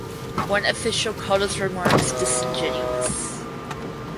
One official called his remarks disingenuous.